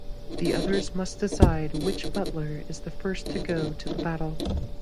The others must decide which Butler is the first to go to the Battle.